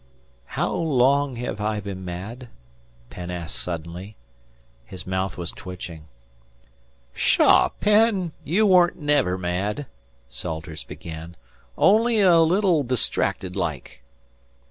"How long have I been mad?" Penn asked suddenly. His mouth was twitching. "Pshaw, Penn! You weren't never mad," Salters began "Only a little distracted like."